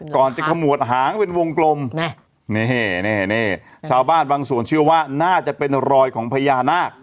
ก่อนจะขมวดหางเป็นวงกลมนี่นี่ชาวบ้านบางส่วนเชื่อว่าน่าจะเป็นรอยของพญานาค